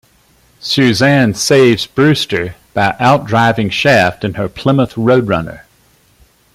Suzanne saves Brewster by out-driving Shaft in her Plymouth Road Runner.